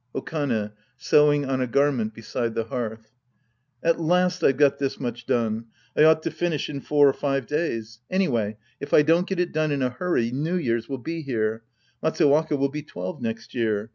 Okane {sewing on a garment beside tJie hearth). At last I've got this much done. I ought to finish in four or five days. Anyway if I don't get it done in a huriy, New Year's will be here. Matsuwaka will be twelve next year.